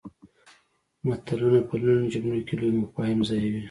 متلونه په لنډو جملو کې لوی مفاهیم ځایوي